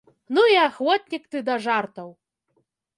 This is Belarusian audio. Ну і ахвотнік ты да жартаў!